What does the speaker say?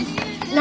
何？